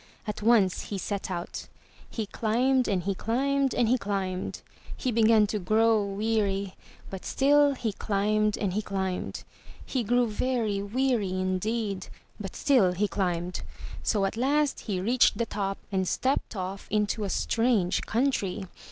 At once he set out. He climbed and he climbed and he climbed. He began to grow weary, but still he climbed and he climbed. He grew very weary indeed, but still he climbed. So at last he reached the top and stepped off into a strange country.